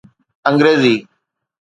انگريزي